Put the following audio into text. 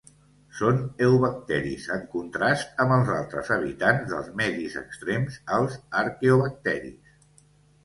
Són eubacteris, en contrast amb els altres habitants dels medis extrems, els arqueobacteris.